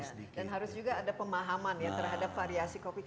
dan harus juga ada pemahaman ya terhadap variasi kopi